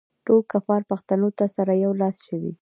ټول کفار پښتنو ته سره یو لاس شوي.